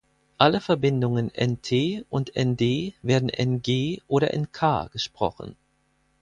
Alle Verbindungen nt und nd werden ng oder nk gesprochen.